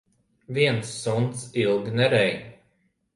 Viens suns ilgi nerej.